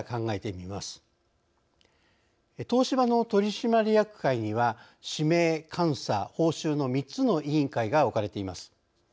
東芝の取締役会には指名・監査・報酬の３つの委員会が置かれています。